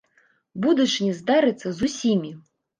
Будучыня здарыцца з усімі!